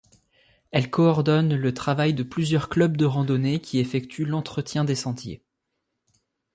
Elle coordonne le travail de plusieurs clubs de randonnée qui effectuent l'entretien des sentiers.